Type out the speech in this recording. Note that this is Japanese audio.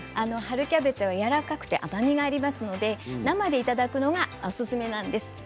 春キャベツはやわらかくて甘みがありますので生でいただくのがおすすめなんです。